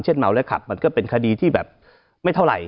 เมาและขับมันก็เป็นคดีที่แบบไม่เท่าไหร่